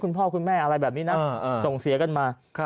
คุณพ่อคุณแม่อะไรแบบนี้นะส่งเสียกันมา